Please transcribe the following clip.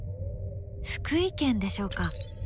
福井県でしょうか？